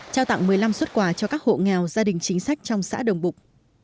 trao tặng một mươi năm xuất quà cho các hộ nghèo gia đình chính sách trong xã đồng bục